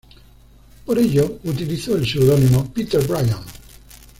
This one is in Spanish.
Por ello, utilizó el seudónimo "Peter Bryan".